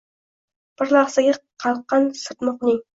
Bir lahzaga qalqqan sirtmoqning